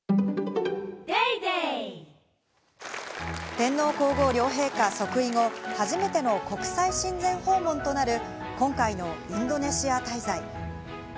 天皇皇后両陛下即位後、初めての国際親善訪問となる今回のインドネシア滞在。